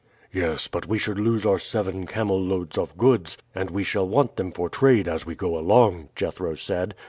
"Yes. But we should lose our seven camel loads of goods, and we shall want them for trade as we go along," Jethro said.